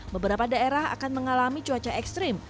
beberapa daerah akan mengalami cuaca ekstrim